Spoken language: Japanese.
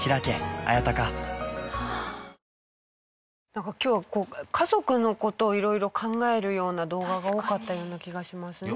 なんか今日は家族の事を色々考えるような動画が多かったような気がしますね。